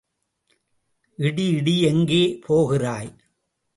இடி இடி எங்கே போகிறாய்?